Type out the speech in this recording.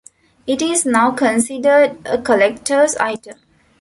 It is now considered a collector's item.